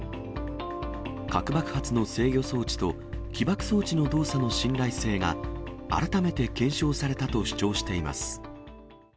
核爆発の制御装置と起爆装置の動作の信頼性が、改めて検証されたと主張しています。